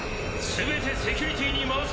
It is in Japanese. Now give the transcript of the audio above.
全てセキュリティーに回せ。